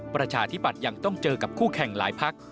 ประชาธิบัติยังต้องเจอกับคู่แข่งหลายพัก